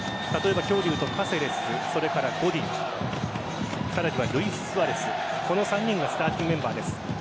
今日で言うとカセレスそれからゴディンルイススアレスこの３人がスターティングメンバーです。